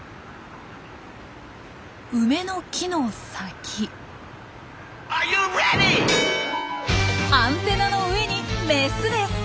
梅の木の先アンテナの上にメスです。